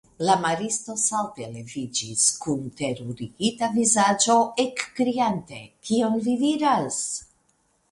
La maristo salte leviĝis kun terurigita vizaĝo, ekkriante:Kion vi diras!